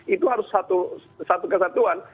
itu harus satu kesatuan